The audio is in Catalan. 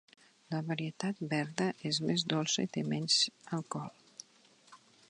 La varietat verda és més dolça i té menys alcohol.